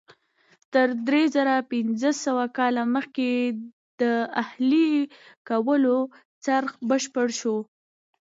تر درې زره پنځه سوه کاله مخکې د اهلي کولو څرخ بشپړ شو.